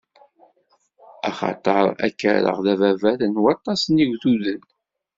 Axaṭer ad k-rreɣ d ababat n waṭas n yigduden.